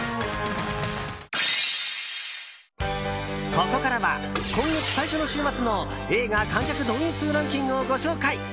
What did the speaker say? ここからは今月最初の週末の映画観客動員数ランキングをご紹介。